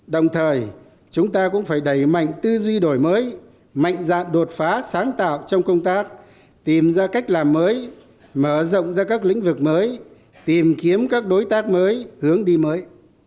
đồng thời chúng ta cũng phải đẩy mạnh tư duy đổi mới mạnh dạng đột phá sáng tạo trong công tác tìm ra cách làm mới mở rộng ra các lĩnh vực mới tìm kiếm các đối tác mới hướng đi mới